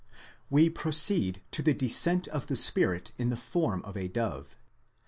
We proceed to the descent of the Spirit in the form of a dove.